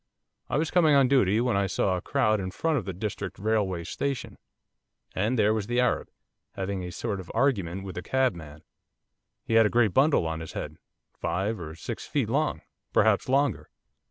I was coming on duty when I saw a crowd in front of the District Railway Station, and there was the Arab, having a sort of argument with the cabman. He had a great bundle on his head, five or six feet long, perhaps longer.